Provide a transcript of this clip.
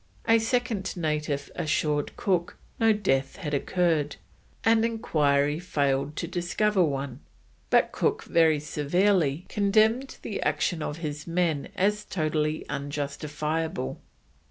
A second native assured Cook no death had occurred, and enquiry failed to discover one; but Cook very severely condemned the action of his men as totally unjustifiable.